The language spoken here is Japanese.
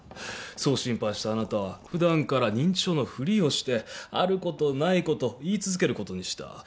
そう心配したあなたは普段から認知症のふりをしてあることないこと言い続けることにした